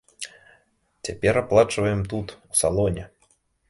Цяпер аплачваем тут, у салоне!